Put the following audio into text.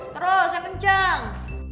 terus yang kencang